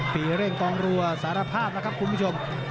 ปีเร่งกองรัวสารภาพแล้วครับคุณผู้ชม